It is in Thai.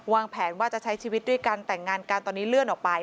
แผนว่าจะใช้ชีวิตด้วยกันแต่งงานกันตอนนี้เลื่อนออกไป